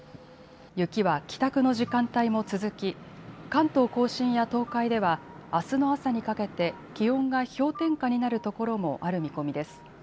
雪は帰宅の時間帯も続き、関東甲信や東海ではあすの朝にかけて気温が氷点下になるところもある見込みです。